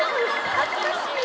恥ずかしい！